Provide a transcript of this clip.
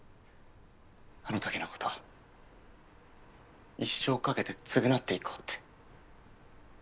あの時のこと一生かけて償っていこうって。